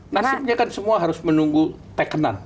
nasibnya kan semua harus menunggu tekenan